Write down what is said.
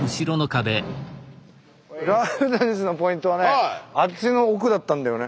ＬＯＵＤＮＥＳＳのポイントはねあっちの奥だったんだよね。